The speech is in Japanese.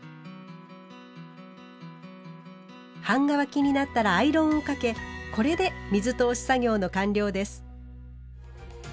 半乾きになったらアイロンをかけこれで水通し作業の完了です。